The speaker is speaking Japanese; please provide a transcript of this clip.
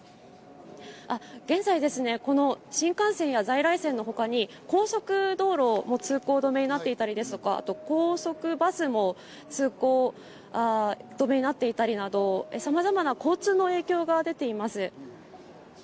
現在、新幹線や在来線のほかに高速道路も通行止めになっていたり、あとは高速バスも通行止めになっていたり、さまざまな交通の影響が出ています。